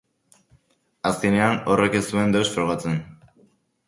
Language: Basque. Azkenean horrek ez zuen deus frogatzen.